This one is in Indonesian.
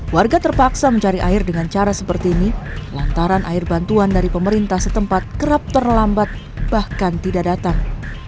warga terpaksa mencari air dengan cara seperti ini lantaran air bantuan dari pemerintah setempat kerap terlambat bahkan tidak datang